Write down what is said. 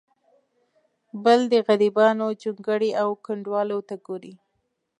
بل د غریبانو جونګړو او کنډوالو ته ګوري.